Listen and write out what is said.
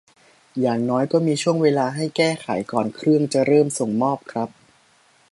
อย่างน้อยก็มีช่วงเวลาให้แก้ไขก่อนเครื่องจะเริ่มส่งมอบครับ